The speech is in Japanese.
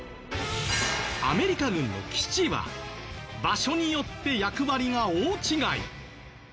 アメリカ軍の基地は場所によって役割が大違い。